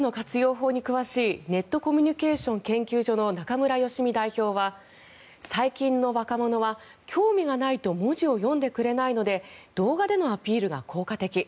法に詳しいネットコミュニケーション研究所の中村佳美代表は最近の若者は興味がないと文字を読んでくれないので動画でのアピールが効果的。